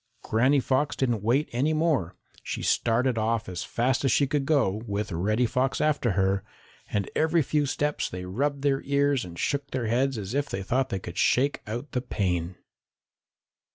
Granny Fox didn't wait for any more. She started off as fast as she could go, with Reddy Fox after her, and every few steps they rubbed their ears and shook their heads as if they thought they could shake out the pain.